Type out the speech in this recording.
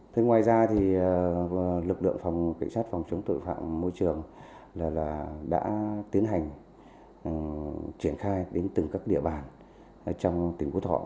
thế ngoài ra thì lực lượng phòng cảnh sát phòng chống tội phạm môi trường là đã tiến hành triển khai đến từng các địa bàn trong tỉnh phú thọ